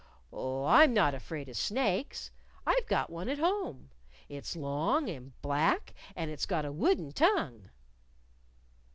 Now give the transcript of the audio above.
"Oh, I'm not afraid of snakes. I've got one at home. It's long and black, and it's got a wooden tongue."